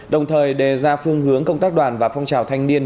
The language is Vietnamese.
đồng thời đề ra phương hướng công tác đoàn và phong trào thanh niên